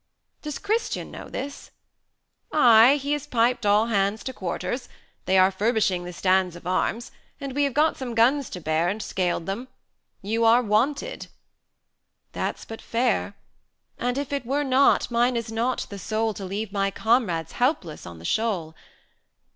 "Does Christian know this?" "Aye; he has piped all hands 520 To quarters. They are furbishing the stands Of arms; and we have got some guns to bear, And scaled them. You are wanted." "That's but fair; And if it were not, mine is not the soul To leave my comrades helpless on the shoal.